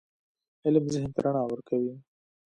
علم ذهن ته رڼا ورکوي.